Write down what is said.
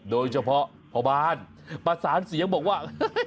โดยเฉพาะพ่อบ้านประสานเสียงบอกว่า